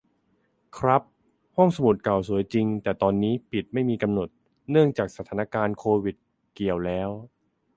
ครับ ห้องสมุดเก่าสวยจริง แต่ตอนนี้ปิดไม่มีกำหนด เนื่องจากสถานการณ์โควิด เกี่ยวแล้ว